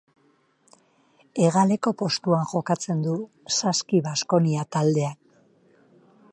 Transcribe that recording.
Hegaleko postuan jokatzen du Saski Baskonia taldean.